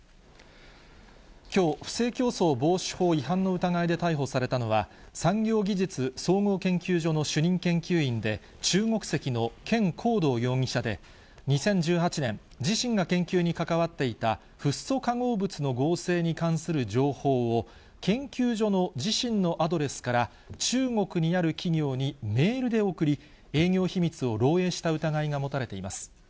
きょう、不正競争防止法違反の疑いで逮捕されたのは、産業技術総合研究所の主任研究員で、中国籍のケン・コウドウ容疑者で、２０１８年、自身が研究に関わっていたフッ素化合物の合成に関する情報を、研究所の自身のアドレスから中国にある企業にメールで送り、営業秘密を漏えいした疑いが持たれています。